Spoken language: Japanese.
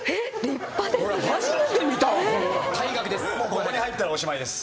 ここに入ったらおしまいです。